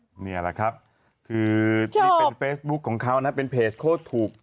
นะครับเนี่ยแหละครับคือเป็นเฟซบุ๊กของเขานะเป็นเพจโคตรถูก